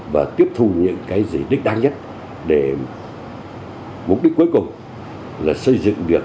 và tiếp thu những cái gì đích đáng nhất để mục đích cuối cùng là xây dựng được